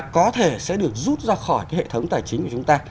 có thể sẽ được rút ra khỏi cái hệ thống tài chính của chúng ta